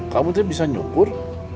kamu tidak bisa nyukur